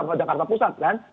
di jakarta pusat kan